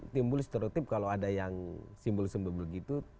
timbul istrotip kalau ada yang simbol simbol gitu